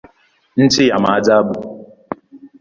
Nchi ya maajabu.